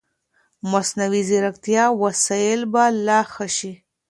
مصنوعي ځیرکتیا وسایل به لا ښه شي.